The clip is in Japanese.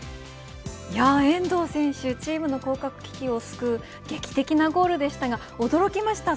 遠藤選手チームの降格危機を救う劇的なゴールでしたが驚きました。